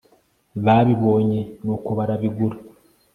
babibonye nuko barabigura